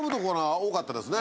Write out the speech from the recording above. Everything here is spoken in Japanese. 面白かったですね。